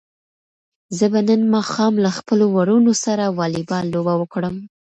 زه به نن ماښام له خپلو وروڼو سره واليبال لوبه وکړم.